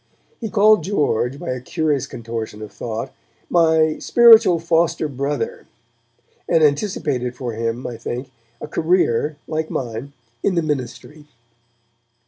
He called George, by a curious contortion of thought, my 'spiritual foster brother', and anticipated for him, I think, a career, like mine, in the Ministry.